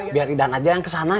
biar idan aja yang kesana ya